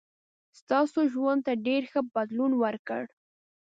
ستاسو ژوند ته ډېر ښه بدلون ورکړ.